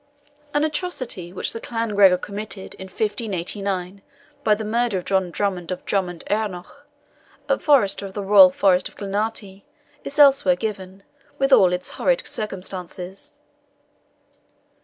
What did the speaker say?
An atrocity which the clan Gregor committed in 1589, by the murder of John Drummond of Drummond ernoch, a forester of the royal forest of Glenartney, is elsewhere given, with all its horrid circumstances.